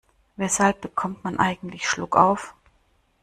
Weshalb bekommt man eigentlich Schluckauf?